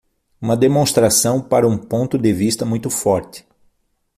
Uma demonstração para um ponto de vista muito forte.